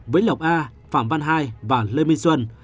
với lộc a phạm văn hai và lê minh xuân